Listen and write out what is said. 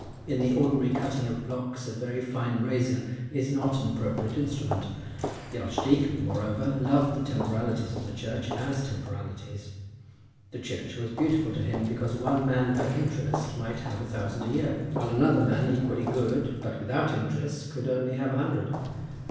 In the ordinary cutting of blocks a very fine razor is not an appropriate instrument. The archdeacon, moreover, loved the temporalities of the Church as temporalities. The Church was beautiful to him because one man by interest might have a thousand a year, while another man equally good, but without interest, could only have a hundred.